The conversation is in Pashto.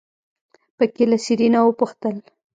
په کې له سېرېنا وپوښتل.